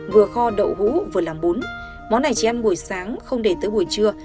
vừa kho đậu hũ vừa làm bún món này chỉ ăn buổi sáng không để tới buổi trưa